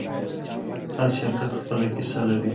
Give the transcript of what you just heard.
هر شرکت خپله کیسه لري.